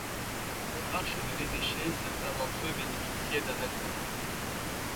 Aux marches de l'évêché, certains d'entre eux bénéficiaient d'un adjoint.